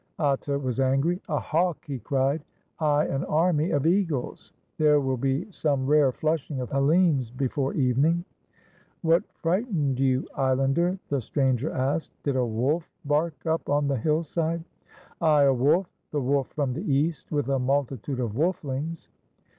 Atta was angry. "A hawk!" he cried. "Ay, an army of eagles. There will be some rare flushing of Hellenes before evening." 103 GREECE "What frightened you, islander? " the stranger asked. ''Did a wolf bark up on the hillside?" "Ay, a wolf. The wolf from the East with a multitude of wolfiings.